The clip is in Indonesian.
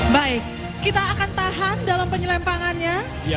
baik kita akan tahan dalam penyelempangannya